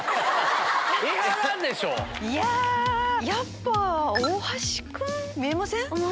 いややっぱ大橋君見えません？